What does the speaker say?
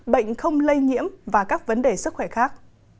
bệnh không lây nhiễm và các vấn đề sức khỏe khác